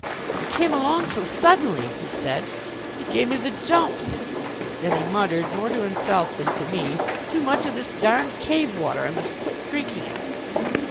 "You came along so suddenly," he said, "it gave me the jumps." Then he muttered, more to himself than to me, "Too much of this darned cave water! I must quit drinking it."